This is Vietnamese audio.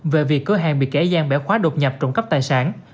về việc cửa hàng bị kẻ gian bẻo khóa đột nhập trộm cắp tài sản